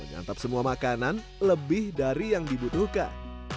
menyantap semua makanan lebih dari yang dibutuhkan